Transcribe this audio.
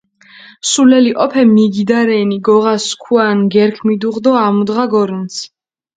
სულელი ჸოფე მიგიდა რენი, გოღა სქუა ნგერქჷ მიდუღჷ დო ამუდღა გორჷნცჷ.